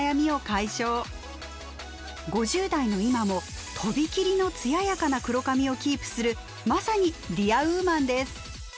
５０代の今もとびきりの艶やかな黒髪をキープするまさにディアウーマンです。